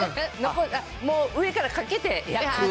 もう上からかけて焼く。